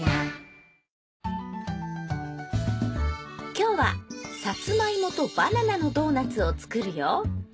今日はさつまいもとバナナのドーナツを作るよ。